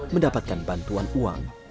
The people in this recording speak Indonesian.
mendapatkan bantuan uang